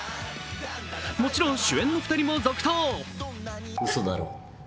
もちろん主演の２人も続投。